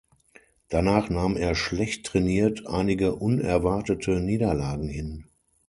Danach nahm er schlecht trainiert einige unerwartete Niederlagen hin.